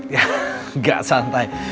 ya gak santai